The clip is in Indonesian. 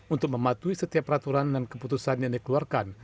untuk mematuhi setiap peraturan dan keputusan yang dikeluarkan